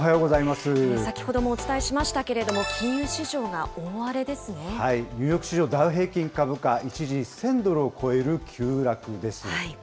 先ほどもお伝えしましたけれども、ニューヨーク市場ダウ平均株価は、一時１０００ドルを超える急落です。